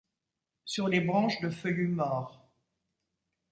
Sur les branches de feuillus morts.